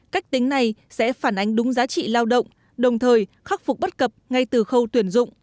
cách tính này sẽ phản ánh đúng giá trị lao động đồng thời khắc phục bất cập ngay từ khâu tuyển dụng